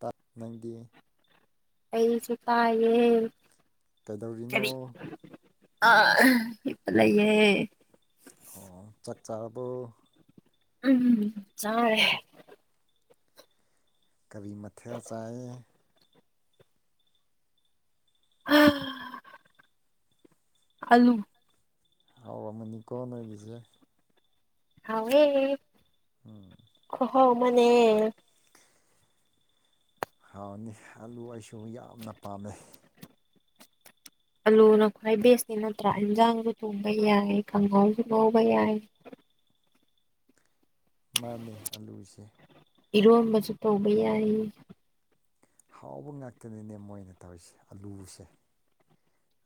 ꯇꯥꯛꯅꯗꯤꯗꯤ ꯑꯩꯁꯨ ꯇꯥꯏ ꯀꯩꯗꯧꯔꯤꯅꯣ ꯑꯥ ꯍꯤꯄ ꯂꯩꯌꯦ ꯑꯣ ꯆꯥꯛ ꯆꯥꯔꯕ ꯎꯝ ꯆꯔꯦ ꯀꯔꯤ ꯃꯊꯦꯜ ꯆꯥꯔꯦ ꯎꯝ ꯑꯜꯂꯨ ꯍꯥꯎꯔꯝꯃꯅꯤꯀꯣ ꯅꯣꯏꯒꯤꯁꯦ ꯍ ꯍꯣ ꯃꯅꯦ ꯍꯥꯎꯅꯤ ꯑꯂꯨ ꯑꯩꯁꯨ ꯌꯥꯝꯅ ꯄꯥꯝꯃꯦꯩ ꯑꯂꯨꯅ ꯈ꯭ꯋꯥꯏ ꯕꯦꯁꯅꯤ ꯅꯠꯇ꯭ꯔꯥ ꯏꯟꯁꯥꯡꯁꯨ ꯊꯣꯡꯕ ꯌꯥꯏ ꯈ ꯀꯥꯡꯒꯥꯎꯁꯨ ꯉꯥꯎꯕ ꯌꯥꯏ ꯃꯥꯅꯦ ꯑꯂꯨꯁꯦ ꯏꯔꯣꯟꯝꯕꯁꯨ ꯇꯧꯕ ꯌꯥꯏ ꯍꯥꯎꯕ ꯉꯥꯛꯇꯅꯤꯅꯦ ꯃꯣꯏꯅ ꯇꯧꯔꯤꯁꯦ ꯑꯂꯨꯁꯦ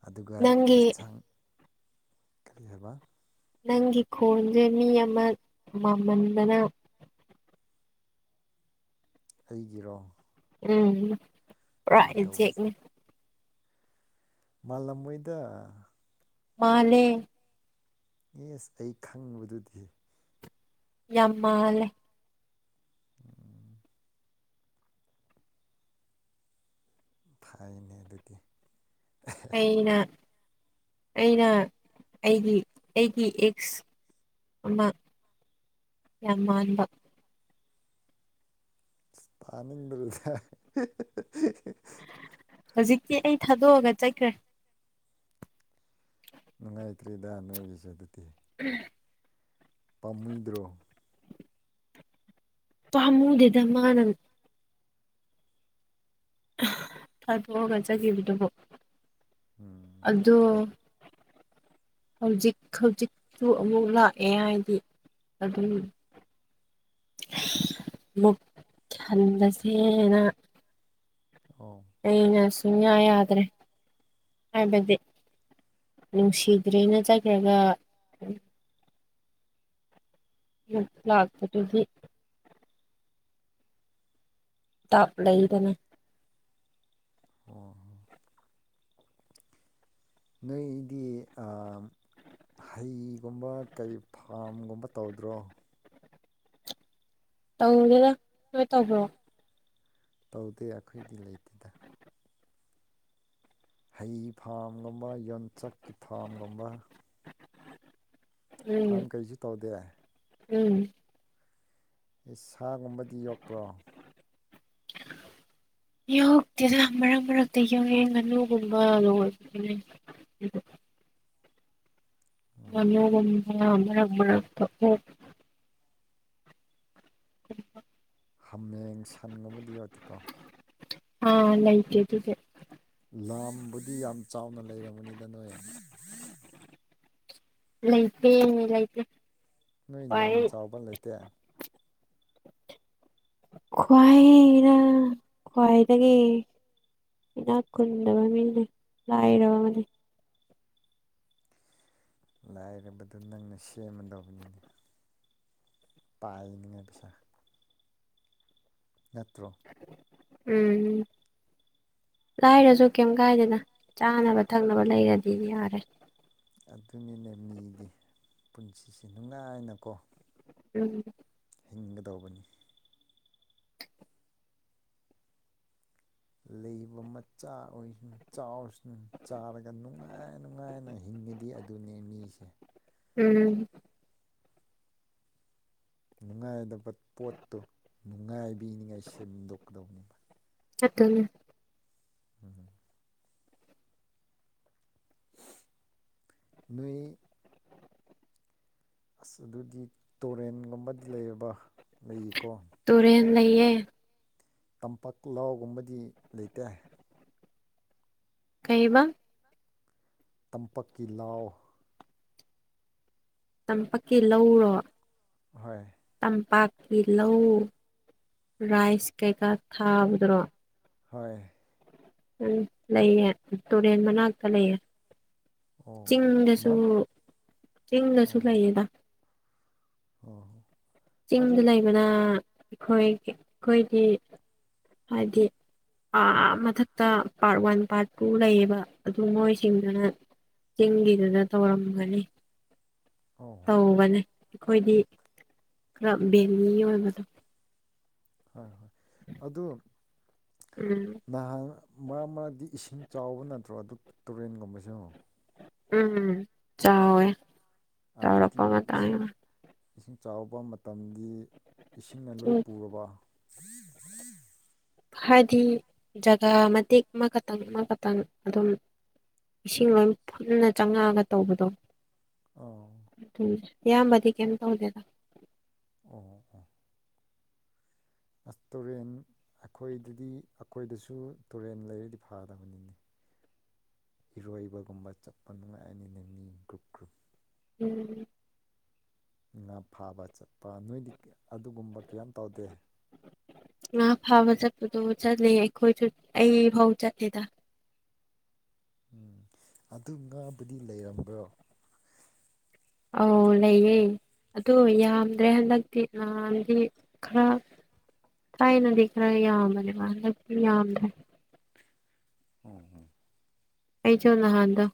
ꯑꯗꯨꯒ ꯅꯪꯒꯤ ꯏꯟꯁꯥꯡ ꯀꯔꯤ ꯍꯥꯏꯕ ꯅꯪꯒꯤ ꯈꯣꯟꯁꯦ ꯃꯤ ꯑꯃ ꯃꯃꯟꯗꯅ ꯑꯩꯒꯤꯔꯣ ꯎꯝ ꯄꯨꯔꯥ ꯀꯩꯗꯧꯕꯁꯦ ꯑꯦꯖꯦꯛꯅꯦ ꯃꯥꯜꯂꯝ ꯃꯣꯏꯗ ꯃꯥꯂꯦ ꯌꯦꯁ ꯑꯩ ꯈꯪꯕꯗꯨꯗꯤ ꯌꯥꯃ ꯂꯩꯦ ꯐꯥꯏꯅꯦ ꯑꯗꯨꯗꯤ ꯑꯩꯅ ꯑꯩꯅ ꯑꯩꯒꯤ ꯑꯩꯒꯤ ꯑꯦꯛꯁ ꯑꯃ ꯌꯥꯝ ꯃꯥꯟꯕ ꯄꯅꯤꯗ ꯍꯧꯖꯤꯛꯇꯤ ꯑꯩ ꯊꯥꯗꯣꯛꯑꯒ ꯆꯠꯈ꯭ꯔꯦ ꯅꯨꯡꯉꯥꯏꯇ꯭ꯔꯤꯗ ꯅꯣꯏꯒꯤꯁꯦ ꯑꯗꯨꯗꯤ ꯎꯝ ꯇꯥꯃꯣꯏꯗ꯭ꯔꯣ ꯋꯥꯃꯨꯗꯦꯗꯃꯅ ꯊꯥꯗꯣꯛꯑꯒ ꯆꯠꯈꯤꯕꯗꯨꯕꯨ ꯎꯝ ꯑꯗꯣ ꯐꯠꯇ꯭ꯔꯦ ꯍꯧꯖꯤꯛ ꯍꯧꯖꯤꯛꯁꯨ ꯑꯃꯨꯛ ꯂꯥꯛꯑꯦ ꯍꯥꯏꯗꯤ ꯑꯗꯨ ꯃꯨꯛ ꯈꯟꯗꯁꯦꯅ ꯑꯣ ꯑꯩꯅ ꯁꯨꯡꯌꯥ ꯌꯥꯗ꯭ꯔꯦ ꯍꯥꯏꯕꯗꯤ ꯅꯨꯡꯁꯤꯗ꯭ꯔꯦꯅ ꯆꯠꯈ꯭ꯔꯒ ꯃꯠꯂꯥꯛꯄꯤꯔꯗꯤꯗꯤ ꯇꯞ ꯂꯩꯗꯅ ꯑꯣ ꯍ ꯅꯣꯏꯗꯤ ꯍꯩꯒꯨꯝꯕ ꯀꯔꯤ ꯐꯥꯝꯒꯨꯝꯕ ꯇꯧꯗ꯭ꯔꯣ ꯇꯧꯗꯦꯗ ꯅꯣꯢ ꯇꯧꯕ꯭ꯔꯣ ꯇꯧꯗꯦ ꯑꯩꯈꯣꯏꯗꯤ ꯂꯩꯇꯦꯗ ꯍꯩ ꯐꯥꯝꯒꯨꯝꯕ ꯌꯣꯟꯆꯥꯛꯀꯤ ꯐꯥꯝꯒꯨꯝꯕ ꯎꯝ ꯐꯥꯝ ꯀꯔꯤꯁꯨ ꯇꯧꯗꯦ ꯎꯝ ꯑꯦ ꯁꯥꯒꯨꯝꯕꯗꯤ ꯌꯣꯛꯄ꯭ꯔꯣ [inaudible] ꯌꯣꯛꯇꯦꯗ ꯃꯔꯛ ꯃꯔꯛꯇ ꯌꯣꯛꯑꯦ ꯉꯥꯅꯨꯒꯨꯝꯕ ꯂꯣꯢꯕꯅꯤ [unintelligible] ꯃꯅꯨꯡ ꯎꯝ ꯃꯔꯛ ꯃꯔꯛꯇ ꯀꯣꯞ ꯎ [unintelligible] ꯍꯥꯃꯦꯡ ꯁꯟꯒꯨꯝꯕꯗꯤ ꯌꯥꯎꯗꯦꯀꯣ ꯑꯥ ꯂꯩꯥꯇꯦ ꯑꯗꯨꯗꯤ ꯂꯝꯕꯨꯗꯤ ꯌꯥꯝ ꯆꯥꯎꯅ ꯂꯩꯔꯝꯒꯅꯤꯗ ꯅꯣꯏ ꯂꯩꯇꯦ ꯂꯩꯇꯦ ꯅꯣꯏ ꯂꯝ ꯆꯥꯎꯕ ꯂꯩꯇꯦ [inaudible] ꯈ꯭ꯋꯥꯥꯏꯔ ꯈ꯭ꯋꯥꯢꯗꯒꯤ ꯏꯅꯥꯛ ꯈꯨꯨꯟꯗꯕ ꯃꯤꯅꯦ ꯂꯥꯏꯔꯕꯅꯦ ꯂꯥꯏꯔꯕꯗꯨ ꯅꯪꯅ ꯁꯦꯝꯃꯗꯧꯕꯅꯤꯅꯦ ꯄꯥꯏꯅꯤꯡꯉꯥꯏ ꯄꯩꯁꯥ ꯅꯠꯇ꯭ꯔꯣ ꯎꯝ ꯂꯥꯏꯔꯁꯨ ꯀꯩꯝ ꯀꯥꯏꯗꯦꯗ ꯆꯥꯅꯕ ꯊꯛꯅꯕ ꯂꯩꯔꯗꯤ ꯌꯥꯔꯦ ꯑꯗꯨꯅꯤꯅꯦ ꯃꯤꯗꯤ ꯄꯨꯟꯁꯤꯁꯦ ꯅꯨꯡꯉꯥꯏꯅꯀꯣ ꯎꯝ ꯍꯤꯡꯒꯗꯧꯕꯅꯤ ꯂꯩꯕ ꯃꯆꯥ ꯑꯣꯏꯁꯅꯨ ꯆꯥꯎꯔꯁꯅꯨ ꯆꯥꯔꯒ ꯅꯨꯡꯉꯥꯏ ꯅꯨꯡꯉꯥꯏꯅ ꯍꯤꯡ ꯃꯤꯗꯤ ꯑꯗꯨꯅꯦ ꯃꯤꯁꯦ ꯎꯝ ꯅꯨꯡꯉꯥꯏꯗꯕ ꯄꯣꯠꯇꯣ ꯅꯨꯡꯉꯥꯏꯕꯤꯅꯤꯉꯥꯏ ꯁꯤꯟꯗꯣꯛꯀꯗꯧꯅꯤꯕ ꯆꯠꯇꯣꯢꯅꯤ ꯎꯡ ꯅꯣꯏ ꯑꯁ ꯑꯗꯨꯗꯤ ꯇꯣꯔꯦꯟꯒꯨꯝꯕꯗꯤ ꯂꯩꯔꯕ ꯂꯩꯌꯦꯀꯣ ꯇꯨꯔꯦꯟ ꯂꯩꯌꯦ ꯇꯝꯄꯥꯛ ꯂꯥꯎꯒꯨꯝꯕꯗꯤ ꯂꯩꯇꯦ ꯀꯩꯕ ꯇꯝꯄꯥꯛꯀꯤ ꯂꯥꯎ ꯇꯝꯄꯥꯛꯀꯤ ꯂꯧꯔꯣ ꯍꯣꯏ ꯇꯝꯄꯥꯛꯀꯤ ꯂꯧ ꯔꯥꯏꯁ ꯀꯩꯀꯥ ꯊꯥꯕꯗꯨꯔꯣ ꯍꯣꯏ ꯎꯝ ꯂꯩꯌꯦ ꯇꯨꯔꯦꯟ ꯃꯅꯥꯛꯇ ꯂꯩꯌꯦ ꯑꯣ ꯆꯤꯡꯗꯁꯨ ꯃꯔꯛ ꯆꯤꯡꯗꯁꯨ ꯑꯣ ꯂꯩꯌꯦꯗ ꯑꯣ ꯑꯗꯨ ꯆꯤꯡꯗ ꯂꯩꯕꯅ ꯑꯩꯈꯣꯏꯒꯤ ꯑꯩꯈꯣꯏꯒꯤ ꯍꯥꯏꯗꯤ ꯑꯥ ꯃꯊꯛꯇ ꯄꯥꯔꯠ ꯋꯥꯟ ꯄꯥꯔꯠ ꯇꯨ ꯂꯩꯌꯦꯕ ꯑꯗꯨ ꯃꯣꯏꯁꯤꯡꯗꯨꯅ ꯆꯤꯡꯒꯤꯗꯨꯅ ꯇꯧꯔꯝꯒꯅꯤ ꯑꯣ ꯇꯧꯕꯅꯦ ꯑꯩꯈꯣꯏꯗꯤ ꯈꯔ ꯕꯦꯜꯂꯤ ꯑꯣꯏꯕꯗꯣ ꯍꯣꯏ ꯍꯣꯏ ꯑꯗꯨ ꯎꯝ ꯅꯍꯥꯟ ꯃꯔꯛ ꯃꯔꯛꯛꯇ ꯏꯁꯤꯡ ꯆꯥꯎꯕ ꯅꯠꯇ꯭ꯔꯣ ꯑꯗꯨ ꯇꯨꯔꯦꯟꯒꯨꯝꯕꯁꯨ ꯎꯝ ꯆꯥꯎꯋꯦ ꯆꯥꯎꯧꯔꯛꯄ ꯑꯗꯨꯗꯤ ꯃꯇꯥꯡ ꯏꯁꯤꯡ ꯏꯁꯤꯡ ꯆꯥꯎꯕ ꯃꯇꯝꯗꯤ ꯏꯁꯤꯡꯅ ꯂꯣꯏ ꯎꯝ ꯄꯨꯔꯕ ꯍꯥꯏꯕꯗꯤ ꯖꯒꯥ ꯃꯇꯦꯛ ꯑꯃ ꯈꯇꯪ ꯑꯃ ꯈꯇꯪ ꯑꯗꯨꯝ ꯏꯁꯤꯡ ꯂꯣꯏ ꯐꯨꯟꯅ ꯆꯪꯉꯛꯑꯒ ꯇꯧꯕꯗꯣ ꯑꯧ ꯎꯝ ꯑꯌꯥꯝꯕꯗꯤ ꯀꯦꯝ ꯇꯧꯗ‌ꯦꯗ ꯑꯣ ꯑꯣ ꯑꯁ ꯇꯨꯔꯦꯟ ꯑꯩꯈꯣꯏꯗꯗꯤ ꯑꯩꯈꯣꯏꯗꯁꯨ ꯇꯨꯔꯦꯟ ꯂꯩꯔꯗꯤ ꯐꯒꯅꯤꯅꯤ ꯏꯔꯣꯏꯕꯒꯨꯝꯕ ꯆꯠꯄ ꯅꯨꯉꯥꯏ ꯑꯅꯤꯅ‌ꯦ ꯃꯤ ꯒ꯭ꯔꯨꯞ ꯒ꯭ꯔꯨꯞ ꯎꯝ ꯉꯥ ꯐꯥꯕ ꯆꯠꯄ ꯅꯣꯏꯗꯤ ꯀ ꯑꯗꯨꯒꯨꯝꯕ ꯀꯌꯥꯝ ꯇꯧꯗꯦ ꯑꯗꯨꯗꯣ ꯆꯠꯂꯦ ꯑꯩꯈꯣꯏꯁꯨ ꯑꯩ ꯐꯥꯎ ꯆꯠꯂꯤꯗ ꯎꯝ ꯑꯗꯨ ꯉꯥꯕꯨꯗꯤ ꯂꯩꯔꯝꯕ꯭ꯔꯣ ꯑꯧ ꯑꯗꯨ ꯂꯩꯌꯦ ꯇꯨꯔꯦꯟ ꯑ ꯌꯥꯝꯗ꯭ꯔꯦ ꯍꯟꯗꯛꯇꯤꯗꯤ ꯅꯍꯥꯟꯗꯤ ꯈꯔ ꯇꯥꯏꯅꯗꯤ ꯈꯔ ꯌꯥꯝꯕꯅꯦꯕ ꯍꯟꯗꯛꯇꯤ ꯌꯥꯝꯗ꯭ꯔ‌ꯦ ꯎꯝ ꯎꯝ ꯑꯩꯁꯨ ꯅꯍꯥꯟꯗꯣ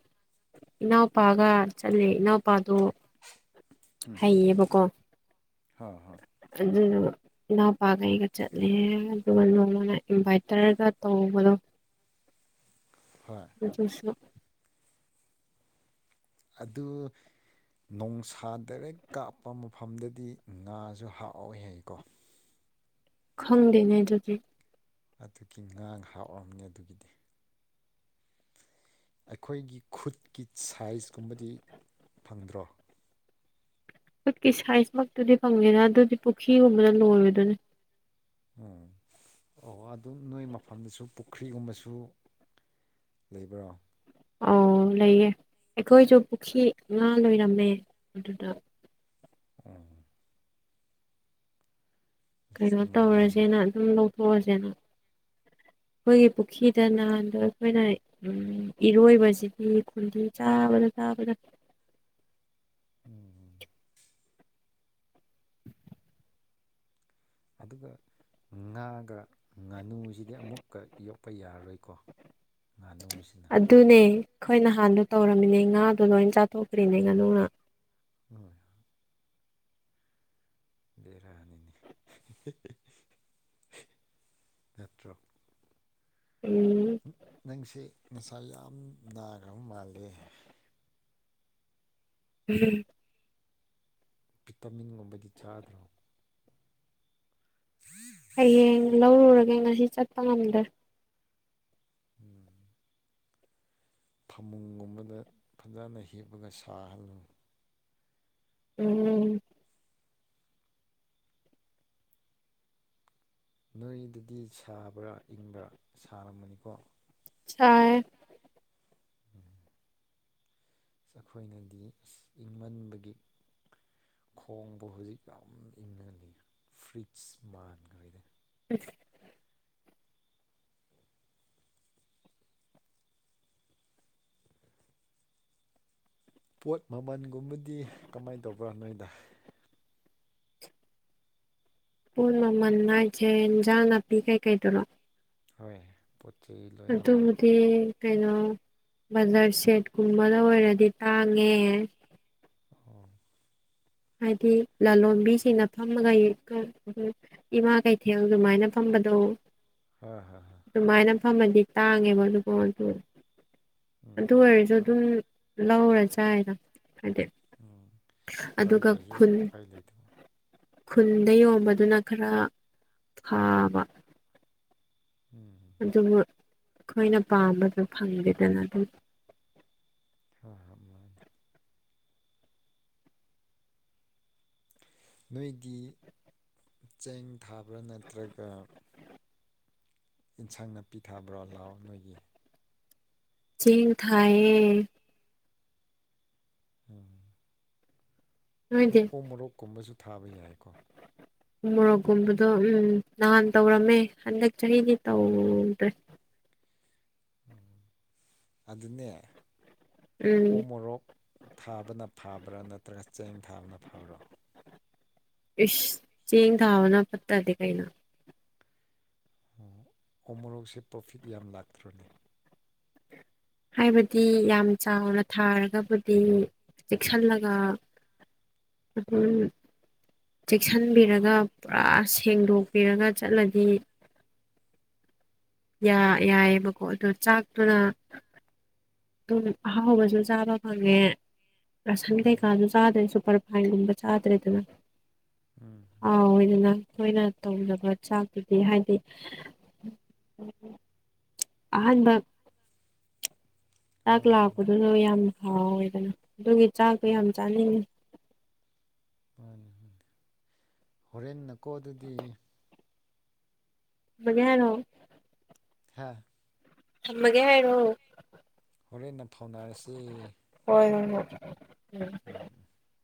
ꯏꯅꯥꯎꯄꯥꯒ ꯆꯠꯂꯦ ꯏꯅꯥꯎ ꯅꯨꯄꯥꯗꯣ ꯍꯩꯌꯦꯕꯀꯣ ꯍꯣꯏ ꯍꯣꯏ ꯑꯗꯨꯅ ꯏꯅꯥꯎꯄꯥꯒꯩꯒ ꯆꯠꯂꯦ ꯑꯗꯨꯒ ꯅꯣꯡꯃꯅ ꯏꯟꯚꯥꯏꯇꯔꯒ ꯇꯧꯕꯗꯣ ꯍꯣꯏ ꯑꯗꯨꯁꯨ ꯑꯗꯨ ꯅꯣꯡꯁꯥ ꯗꯥꯏꯔꯦꯛ ꯀꯥꯞꯄ ꯃꯐꯝꯗꯗꯤ ꯉꯥꯁꯨ ꯍꯥꯥꯎꯏ ꯍꯥꯏꯩꯀꯣ ꯈꯪꯗꯦꯅꯦ ꯑꯗꯨꯗꯤ ꯑꯗꯨꯒꯤ ꯉꯥꯡ ꯍꯥꯎꯔꯝꯅꯤ ꯑꯗꯨꯒꯤꯗꯤ ꯑꯩꯈꯣꯏꯒꯤ ꯈꯨꯠꯀꯤ ꯁꯥꯏꯖꯀꯨꯝꯕꯗꯤ ꯐꯪꯗ꯭ꯔꯣ ꯈꯨꯠꯀꯤ ꯁꯥꯏꯖꯃꯛꯇꯨꯗꯤ ꯐꯪꯉꯦꯅ ꯑꯗꯨꯗꯤ ꯄꯨꯈ꯭ꯔꯤꯒꯨꯝꯕꯗ ꯂꯣꯏꯔꯣꯏꯗꯅꯦ ꯎꯝ ꯑꯣ ꯑꯗꯨꯝ ꯅꯣꯏ ꯃꯐꯝꯗꯁꯨ ꯄꯨꯈ꯭ꯔꯤꯒꯨꯝꯕꯁꯨ ꯂꯩꯕ꯭ꯔꯥ ꯑꯣ ꯂꯩꯌꯦꯦ ꯑꯩꯈꯣꯏꯁꯨ ꯄꯨꯈ꯭ꯔꯤ ꯉꯥ ꯂꯣꯏꯔꯝꯃꯦ ꯑꯗꯨꯗ ꯎꯝ ꯑꯁ ꯀꯩꯅꯣ ꯅꯨꯡꯉꯥꯏꯅꯤꯅꯦ ꯇꯧꯔꯁꯦꯅ ꯑꯗꯨꯝ ꯂꯧꯊꯣꯛꯑꯁꯦꯅ ꯑꯩꯈꯣꯏꯒꯤ ꯄꯨꯈ꯭ꯔꯤꯗꯅꯗꯣ ꯑꯩꯈꯣꯏꯅ ꯏꯔꯣꯏꯕꯁꯤꯗꯤ ꯈꯨꯟꯗꯤ ꯆꯥꯕꯗ ꯇꯕꯗ ꯎꯝꯝ ꯑꯗꯨꯒ ꯉꯥꯒ ꯉꯥꯅꯨꯁꯤꯗꯤ ꯑꯃꯨꯛꯀ ꯌꯣꯛꯄ ꯌꯥꯔꯔꯣꯏꯀꯣ ꯉꯥꯅꯨꯁꯤꯅ ꯑꯗꯨꯅꯦ ꯑꯩꯈꯣꯏ ꯅꯍꯥꯟꯗꯣ ꯇꯧꯔꯝꯃꯤꯅꯦ ꯉꯥꯗꯣ ꯂꯣꯏ ꯆꯥꯊꯣꯛꯈ꯭ꯔꯤꯅꯦ ꯉꯥꯅꯨꯅ ꯃꯣꯏ ꯂꯩꯔ ꯍꯅꯤꯅꯤ ꯅꯦꯇ꯭ꯔ ꯎꯝ ꯅꯪꯁꯦ ꯉꯁꯥ ꯌꯥꯝ ꯅꯥꯈ꯭ꯔꯕ ꯃꯥꯜꯂꯤ ꯎꯝ ꯚꯤꯇꯥꯃꯤꯟꯒꯨꯝꯕꯗꯤ ꯆꯥꯗ꯭ꯔꯣ ꯍꯌꯦꯡ ꯂꯧꯔꯨꯔꯒꯦ ꯉꯁꯤ ꯆꯠꯄ ꯉꯝꯗ꯭ꯔꯦ ꯎꯝ ꯐꯃꯨꯡꯒꯨꯝꯕꯗ ꯐꯖꯅ ꯍꯤꯞꯄꯒ ꯁꯥꯍꯜꯂꯨ ꯎꯝ ꯅꯣꯏꯗꯨꯗꯤ ꯁꯥꯕ꯭ꯔꯥ ꯏꯪꯕ꯭ꯔꯥ ꯁꯥꯔꯕꯅꯤꯀꯣ ꯆ ꯑꯩꯈꯣꯏꯅꯗꯤ ꯏꯪꯃꯟꯕꯒꯤ ꯈꯣꯡꯕꯨ ꯍꯧꯖꯤꯛ ꯌꯥꯝ ꯏꯪꯍꯜꯂꯤ ꯐ꯭ꯔꯤꯁ ꯃꯥꯟꯈꯔꯤꯗ ꯎꯝ ꯄꯣꯠ ꯃꯃꯜꯒꯨꯝꯕꯗꯤ ꯀꯃꯥꯏꯅ ꯇꯧꯕ꯭ꯔꯥ ꯅꯣꯏꯗ ꯄꯨ ꯃꯃꯜ ꯅꯥꯏꯖꯦꯟꯖꯥꯡ ꯅꯥꯄꯤ ꯀꯩꯀꯩꯗꯔꯣ ꯍꯣꯏ ꯆꯩ ꯑꯗꯨ ꯂꯣꯏꯅꯃꯛ ꯃꯗꯤ ꯀꯩꯅꯣ ꯕꯖꯔ ꯁꯦꯠꯀꯨꯝꯕꯗ ꯑꯣꯏꯔꯗꯤ ꯇꯥꯡꯉꯦ ꯑꯣ ꯍꯥꯏꯗꯤ ꯂꯂꯣꯟꯕꯤꯁꯤꯡꯅ ꯐꯝꯃꯒ ꯏꯃꯥ ꯀꯩꯊꯦꯜ ꯑꯗꯨꯃꯥꯏꯅ ꯐꯝꯃ ꯀꯗꯣ ꯍꯥ ꯍ ꯐꯝꯃꯗꯤ ꯇꯥꯡꯉꯦꯕ ꯑꯗꯨꯣ ꯑꯗꯨ ꯎꯝ ꯑꯗꯨ ꯎꯝ ꯑꯣꯏꯔꯁꯨ ꯍꯣꯏ ꯑꯗꯨꯝ ꯂꯧꯔ ꯆꯥ ꯍꯥꯏꯅꯣ ꯍꯥꯏꯗꯤ ꯎꯝ ꯑꯗꯨꯒ ꯂꯧꯗ꯭ꯔꯁꯨ ꯈꯨꯟ ꯎꯄꯥꯏ ꯂꯩꯇꯕ ꯈꯨꯟꯗ ꯌꯣꯟꯕꯗꯨꯅ ꯈꯔ ꯐꯥꯕ ꯎꯝ ꯑꯗꯨꯕꯨ ꯑꯩꯈꯣꯏꯅ ꯄꯥꯝꯕꯗꯨꯣ ꯐꯪꯗꯦꯗꯅ ꯑꯗꯨꯝ ꯍꯣꯏ ꯍꯣꯏ ꯃꯥꯅꯤ ꯅꯣꯏꯒꯤ ꯆꯦꯡ ꯊꯥꯕ꯭ꯔꯥ ꯅꯠꯇ꯭ꯔꯒ ꯏꯟꯁꯪ ꯅꯥꯄꯤꯊꯕ꯭ꯔꯣ ꯂꯥꯛꯑꯣ ꯅꯣꯏꯒꯤ ꯆ ꯊꯑꯌꯦ ꯎꯝ ꯅꯣꯏꯗꯤ ꯑꯣꯛ ꯃꯣꯔꯣꯛꯀꯨꯝꯕꯁꯨ ꯊꯥꯕ ꯌꯥꯏꯀꯣ ꯃꯣꯔꯣꯛꯀꯨꯝꯕꯗꯣ ꯎꯝ ꯅꯍꯥꯟ ꯇꯧꯔꯝꯃꯦ ꯍꯟꯗꯛ ꯆꯍꯤꯗꯤ ꯇꯧꯗ꯭ꯔꯦ ꯎꯝ ꯑꯗꯨꯅꯦ ꯎꯝ ꯑꯣ ꯃꯣꯔꯣꯛ ꯊꯥꯕꯅ ꯐꯥꯕ꯭ꯔꯥ ꯅꯠꯇ ꯅꯠꯇ꯭ꯔꯒ ꯆꯦꯡ ꯊꯥꯕꯅ ꯐꯔꯣ ꯏ ꯆꯦꯡ ꯊꯥꯕꯅ ꯄꯠꯇꯗꯤ ꯀꯩꯅꯩꯅ ꯑꯣ ꯎ ꯃꯣꯔꯣꯛꯁꯦ ꯄ꯭ꯔꯣꯐꯤꯠ ꯌꯥꯝ ꯂꯥꯛꯇ꯭ꯔꯅꯦ ꯍꯥꯏꯕꯗꯤ ꯌꯥꯝ ꯆꯥꯎꯅ ꯊꯥꯔꯒꯕꯨꯗꯤ ꯆꯦꯛꯁꯤꯜꯂꯒ ꯎꯝ ꯆꯦꯛꯁꯤꯟꯕꯤꯔꯒ ꯄꯨꯔꯥ ꯁꯦꯡꯗꯣꯛꯄꯤꯔꯒ ꯆꯠꯂꯗꯤ ꯌꯥꯏꯑꯕꯀꯣ ꯑꯗꯨ ꯆꯥꯛꯇꯨꯅ ꯑꯗꯨꯝ ꯑꯍꯥꯎꯕꯁꯨ ꯆꯥꯕ ꯐꯪꯉꯦ ꯔꯁꯟ ꯎꯝ ꯀꯩꯀꯥꯁꯨ ꯆꯥꯗ꯭ꯔꯦ ꯁꯨꯄꯔ ꯐꯥꯏꯟꯒꯨꯝꯕ ꯆꯥꯗ꯭ꯔꯦꯗꯅ ꯎꯝ ꯑꯥꯎ ꯏꯅ ꯑꯩꯈꯣꯏꯅ ꯇꯧꯖꯕ ꯆꯥꯛꯇꯨꯗꯤ ꯍꯥꯏꯗꯤ ꯑꯥꯟꯕꯕ ꯆꯥꯛ ꯑꯣ ꯃꯥꯅꯤ ꯂꯥꯛꯄꯗꯨꯁꯨ ꯌꯥꯝ ꯍꯥꯎꯋꯦꯗꯅ ꯑꯗꯨꯒꯤ ꯆꯥꯛꯇꯣ ꯌꯥꯝ ꯆꯥꯅꯤꯡꯉꯤ ꯎꯅꯤ ꯍꯣꯔꯦꯟ ꯅꯀꯣ ꯑꯗꯨꯗꯤ ꯒꯔꯣ ꯍꯥꯥ ꯊꯃꯒꯦ ꯍꯥꯏꯔꯣ ꯍꯣꯔꯦꯟꯅ ꯐꯥꯎꯅꯔꯁꯤ ꯍꯣꯏ ꯍꯣꯏ ꯍꯣꯏ ꯎꯝ